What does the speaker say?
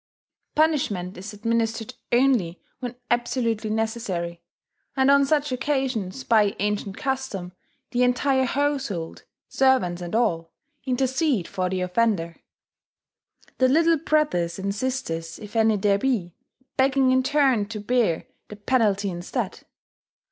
Punishment is administered only when absolutely necessary; and on such occasions, by ancient custom, the entire household servants and all intercede for the offender; the little brothers and sisters, if any there be, begging in turn to bear the penalty instead.